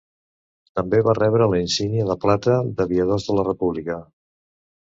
També va rebre la insígnia de plata d'Aviadors de la República.